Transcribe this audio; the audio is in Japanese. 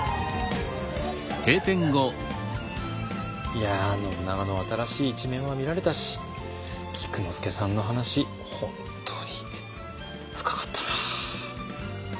いや信長の新しい一面は見られたし菊之助さんの話本当に深かったな。